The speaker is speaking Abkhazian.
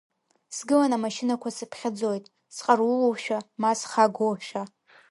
Сгылан амашьынақәа сыԥхьаӡоит, сҟарулушәа, ма схагоушәа.